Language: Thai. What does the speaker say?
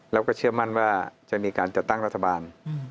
แล้วก็เชื่อมั่นว่าจะมีการจัดตั้งรัฐบาล